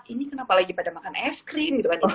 ini kenapa lagi pada makan es krim gitu kan